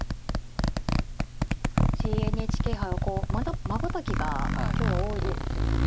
藤井ＮＨＫ杯はこうまばたきが今日は多いですかね。